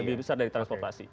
lebih besar dari transportasi